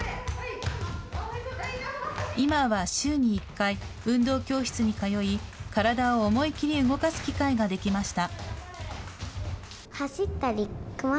今は週に１回、運動教室に通い、体を思い切り動かす機会ができました。